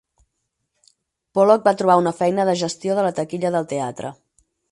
Pollock va trobar una feina de gestió de la taquilla del teatre.